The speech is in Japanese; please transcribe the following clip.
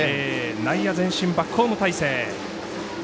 内野前進バックホーム態勢。